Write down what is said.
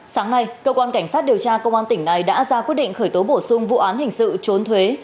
sáng nay cơ quan cảnh sát điều tra công an tỉnh này đã ra quyết định khởi tố bổ sung vụ án hình sự trốn thuế